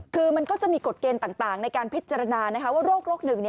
คือมันก็จะมีกฎเกณฑ์ต่างในการพิจารณาว่าโรคหนึ่ง